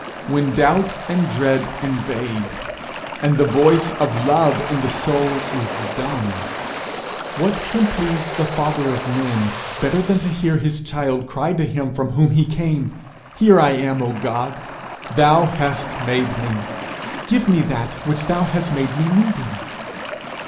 When doubt and dread invade, and the voice of love in the soul is dumb, what can please the father of men better than to hear his child cry to him from whom he came, 'Here I am, O God! Thou hast made me: give me that which thou hast made me needing.'